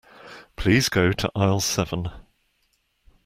Please go to aisle seven.